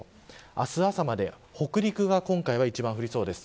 明日朝までに北陸は今回は一番降りそうです。